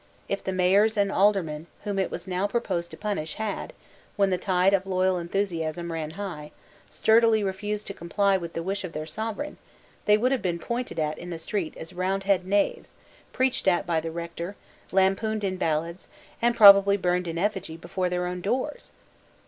If the Mayors and Aldermen whom it was now proposed to punish had, when the tide of loyal enthusiasm ran high, sturdily refused to comply with the wish of their Sovereign, they would have been pointed at in the street as Roundhead knaves, preached at by the Rector, lampooned in ballads, and probably burned in effigy before their own doors.